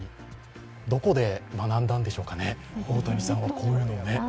どこで学んだんでしょうかね、大谷さんはこういうのをね。